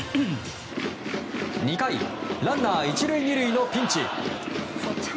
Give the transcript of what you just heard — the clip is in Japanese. ２回ランナー１塁２塁のピンチ。